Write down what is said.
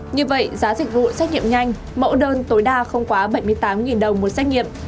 như vậy giá dịch vụ xét nghiệm nhanh mẫu đơn tối đa không quá bảy mươi tám đồng một xét nghiệm